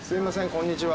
こんにちは。